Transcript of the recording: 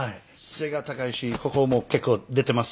背が高いしここも結構出てます。